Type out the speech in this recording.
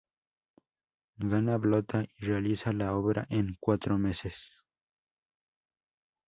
Gana Blotta y realiza la obra en cuatro meses.